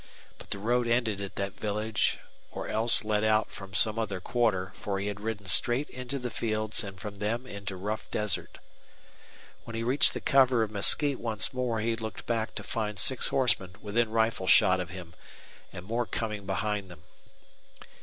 But the road ended at that village or else led out from some other quarter, for he had ridden straight into the fields and from them into rough desert. When he reached the cover of mesquite once more he looked back to find six horsemen within rifle shot of him, and more coming behind them.